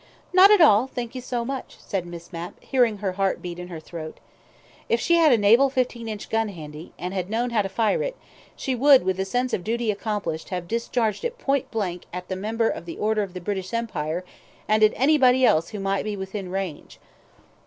"Not at all, thank you so much," said Miss Mapp, hearing her heart beat in her throat. ... If she had had a naval fifteen inch gun handy, and had known how to fire it, she would, with a sense of duty accomplished, have discharged it point blank at the Member of the Order of the British Empire, and at anybody else who might be within range.